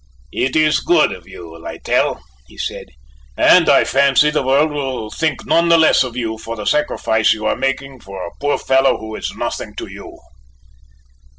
"It is good of you, Littell," he said, "and I fancy the world will think none the less of you for the sacrifice you are making for a poor fellow who is nothing to you."